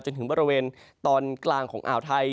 จนถึงบริเวณตอนกลางของอ่าวไทย